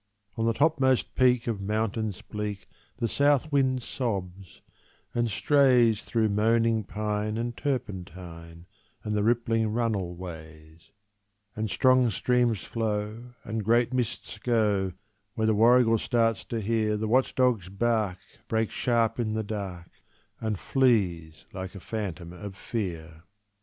On the topmost peak of mountains bleak The south wind sobs, and strays Through moaning pine and turpentine, And the rippling runnel ways; And strong streams flow, and great mists go, Where the warrigal starts to hear The watch dog's bark break sharp in the dark, And flees like a phantom of fear.